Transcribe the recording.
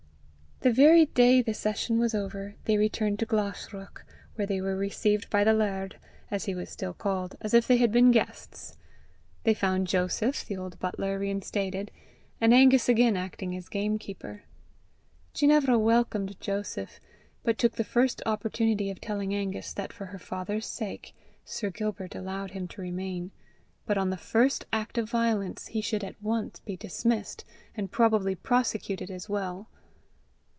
The very day the session was over, they returned to Glashruach, where they were received by the laird, as he was still called, as if they had been guests. They found Joseph, the old butler, reinstated, and Angus again acting as gamekeeper. Ginevra welcomed Joseph, but took the first opportunity of telling Angus that for her father's sake Sir Gilbert allowed him to remain, but on the first act of violence he should at once be dismissed, and probably prosecuted as well.